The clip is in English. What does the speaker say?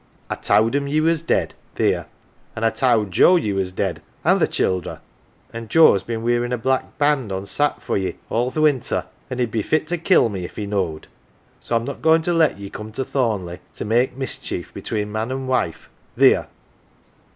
" I towd 'em ye was dead theer ! An' I towd Joe ye was dead an' th' childer. An' Joe's bin weerin' a black band on 's 'at for ye all th' winter an' he'd be fit to kill me if he knowed. So I'm not goin' to let ye come to Thornleigh to make mischief between man an' wife. Theer !